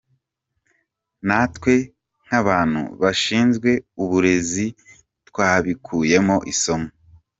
Natwe nk’abantu bashinzwe uburezi twabikuyemo isomo.